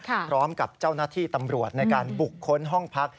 พร้อมกับเจ้าหน้าที่ตำรวจในการบุกค้นห้องพัก